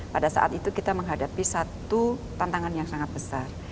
pada saat itu kita menghadapi satu tantangan yang sangat besar